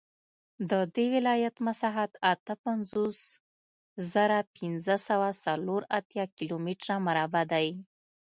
د دې ولایت مساحت اته پنځوس زره پنځه سوه څلور اتیا کیلومتره مربع دی